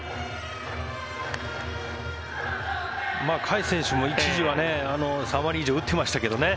甲斐選手も一時は３割以上打ってましたけどね。